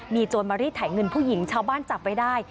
มีโจรมารีดถ่ายเงินผู้หญิงชาวบ้านจับไว้ได้